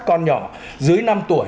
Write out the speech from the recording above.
con nhỏ dưới năm tuổi